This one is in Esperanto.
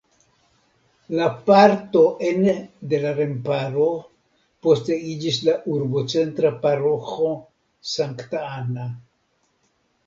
La parto ene de la remparo poste iĝis la urbocentra paroĥo Sankta Anna.